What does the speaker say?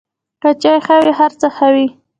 که چای ښه وي، هر څه ښه وي.